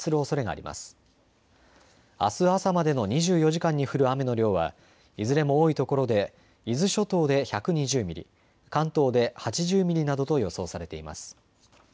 あす朝までの２４時間に降る雨の量はいずれも多いところで伊豆諸島で１２０ミリ、関東で８０ミリなどと予想されています。